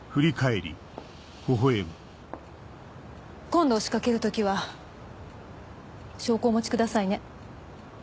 今度押し掛ける時は証拠をお持ちくださいね。